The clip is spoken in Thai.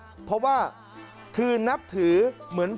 ต่อด้วยนางหาคารวานครับหรือว่าสูรชัยจันทิมาธรนะฮะ